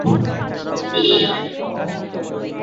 আমার গুলি শেষ।